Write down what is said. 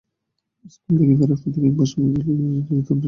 School থেকে ফেরার পথে কিংবা সময় পেলেই চলে যেতাম রেডিও সার্ভিসের দোকানগুলোতে।